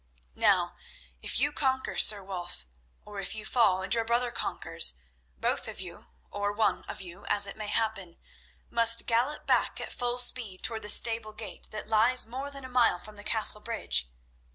"Now if you conquer, Sir Wulf, or if you fall and your brother conquers, both of you—or one of you, as it may happen—must gallop back at full speed toward the stable gate that lies more than a mile from the castle bridge.